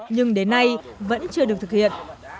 nhưng đến nay vẫn chưa được thực hiện